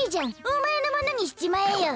おまえのものにしちまえよ。